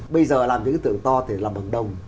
bây giờ làm những cái tượng to thì làm bằng đồng